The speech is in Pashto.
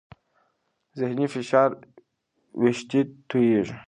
ذهني فشار وېښتې تویېږي.